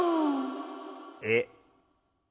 えっ？